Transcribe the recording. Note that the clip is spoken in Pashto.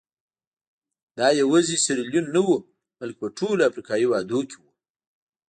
دا یوازې سیریلیون نه وو بلکې په ټولو افریقایي هېوادونو کې وو.